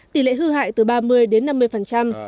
tỷ lệ hư hại từ ba mươi đến năm mươi